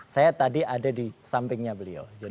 saya tadi ada di sampingnya beliau